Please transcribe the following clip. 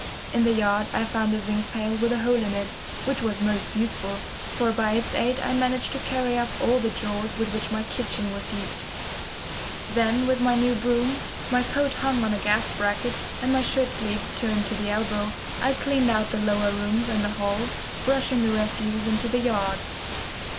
In the yard I found a zinc pail with a hole in it, which was most useful, for by its aid I managed to carry up all the jaws with which my kitchen was heaped. Then with my new broom, my coat hung on a gas bracket and my shirt sleeves turned to the elbow, I cleaned out the lower rooms and the hall, brushing the refuse into the yard.